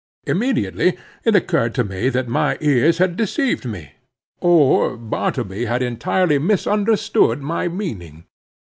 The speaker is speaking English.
Immediately it occurred to me that my ears had deceived me, or Bartleby had entirely misunderstood my meaning.